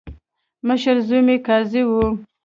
مشر زوی مې قاضي وو.